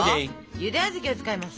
ゆで小豆を使います。